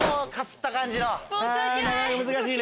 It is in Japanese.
難しい！